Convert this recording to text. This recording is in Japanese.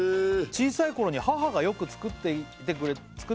「小さい頃に母がよく作ってくれた」